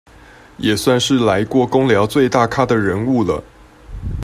也算是來過工寮最大咖的人物了